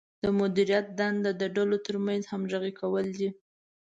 د مدیریت دنده د ډلو ترمنځ همغږي کول دي.